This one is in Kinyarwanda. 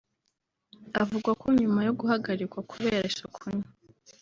avuga ko nyuma yo guhagarikwa kubera isuku nke